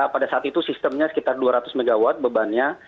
pada saat itu sistemnya sekitar dua ratus mw bebannya